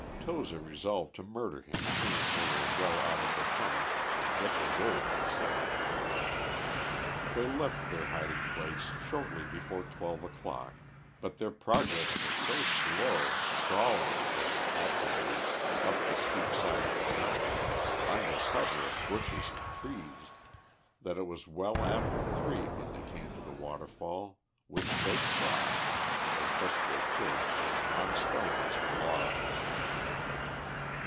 Toza resolved to murder him as soon as they were well out of the tunnel, and get the gold himself. They left their hiding place shortly before twelve o'clock, but their progress was so slow, crawling, as they had to do, up the steep side of the mountain, under cover of bushes and trees, that it was well after three when they came to the waterfall, which they crossed, as best they could, on stones and logs.